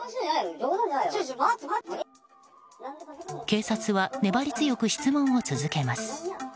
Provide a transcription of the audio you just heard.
警察は粘り強く質問を続けます。